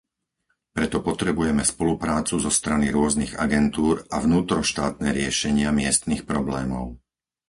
Preto potrebujeme spoluprácu zo strany rôznych agentúr a vnútroštátne riešenia miestnych problémov.